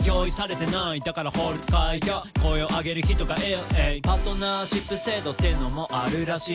「だから法律変えよう声を上げる人がいる」「パートナーシップ制度っていうのもあるらしい」